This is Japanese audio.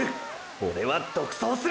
オレは独走する！！